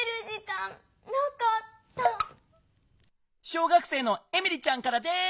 小学生のエミリちゃんからです！